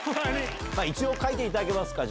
一応書いていただけますか？